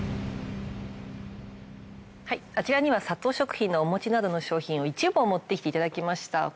あちらにはサトウ食品のお餅などの商品を一部を持ってきていただきました。